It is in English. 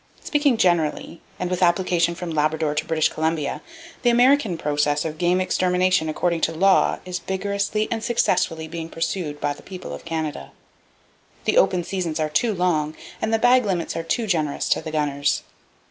Speaking generally, and with application from Labrador to British Columbia, the American process of game extermination according to law is vigorously and successfully being pursued by the people of Canada. The open seasons are too long, and the bag limits are too generous to the gunners.